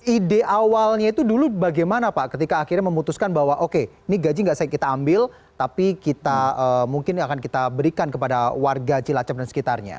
ide awalnya itu dulu bagaimana pak ketika akhirnya memutuskan bahwa oke ini gaji nggak kita ambil tapi kita mungkin akan kita berikan kepada warga cilacap dan sekitarnya